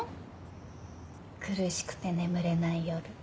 苦しくて眠れない夜。